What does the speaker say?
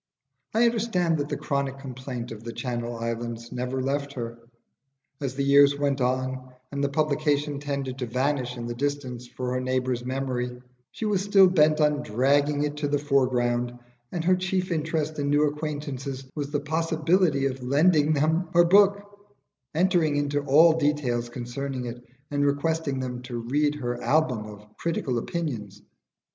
I understand that the chronic complaint of 'The Channel Islands' never left her. As the years went on and the publication tended to vanish in the distance for her neighbours' memory, she was still bent on dragging it to the foreground, and her chief interest in new acquaintances was the possibility of lending them her book, entering into all details concerning it, and requesting them to read her album of "critical opinions."